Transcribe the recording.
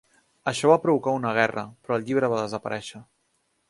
Això va provocar una guerra, però el llibre va desaparèixer.